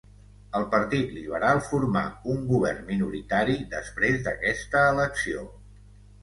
El partit liberal formà un govern minoritari després d'aquesta elecció.